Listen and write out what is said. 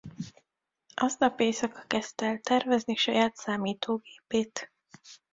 Aznap éjszaka kezdte el tervezni saját számítógépét.